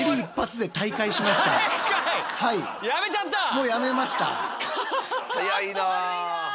もうやめました。